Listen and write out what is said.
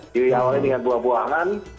jadi awalnya dengan buah buahan